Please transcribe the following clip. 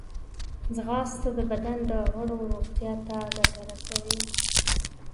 ځغاسته د بدن د غړو روغتیا ته ګټه رسوي